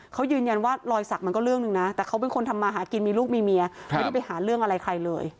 เขายืนยันว่ารอยสักมันก็เรื่องหนึ่งนะแต่เขาเป็นคนทำมาหากินมีลูกมีเมียไม่ได้ไปหาเรื่องอะไรใครเลย